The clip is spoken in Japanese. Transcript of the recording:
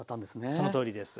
そのとおりです。